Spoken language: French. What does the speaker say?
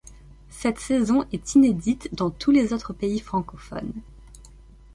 Cette saison est inédite dans tous les autres pays francophones.